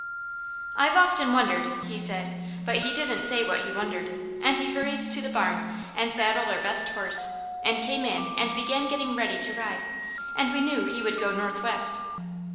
"I've often wondered," he said, but he didn't say what he wondered, and he hurried to the barn and saddled our best horse and came in and began getting ready to ride, and we knew he would go northwest.